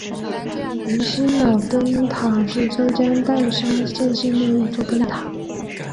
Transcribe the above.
鱼腥脑岛灯塔是浙江省岱山县境内的一座灯塔。